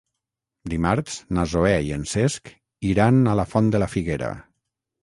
Dimarts na Zoè i en Cesc iran a la Font de la Figuera.